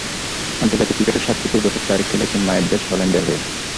আন্তর্জাতিক ক্রিকেটের স্বাদ পেতেই বছর চারেক খেলছেন মায়ের দেশ হল্যান্ডের হয়ে।